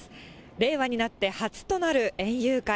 令和になって初となる園遊会。